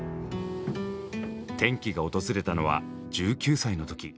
転機が訪れたのは１９歳の時。